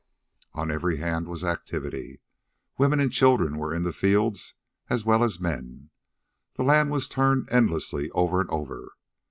On every hand was activity. Women and children were in the fields as well as men. The land was turned endlessly over and over.